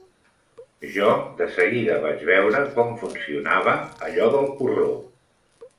Jo, de seguida vaig veure com funcionava, allò del porró